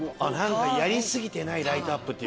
やり過ぎてないライトアップ。